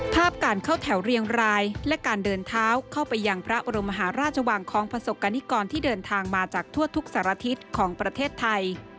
ภาพการเข้าแถวเรียงรายและการเดินเท้าเข้าไปยังพระบรมมหาราชวังของประสบกรณิกรที่เดินทางมาจากทั่วทุกสารทิศของประเทศไทย